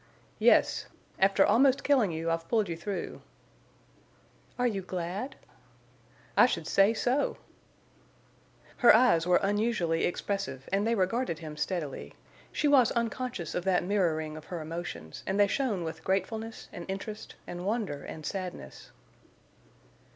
"Yes. After almost killing you I've pulled you through." "Are you glad?" "I should say so!" Her eyes were unusually expressive, and they regarded him steadily; she was unconscious of that mirroring of her emotions and they shone with gratefulness and interest and wonder and sadness.